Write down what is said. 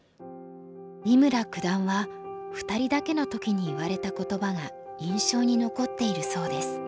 三村九段は２人だけの時に言われた言葉が印象に残っているそうです。